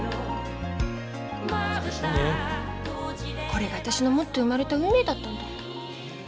これが私の持って生まれた運命だったんだ。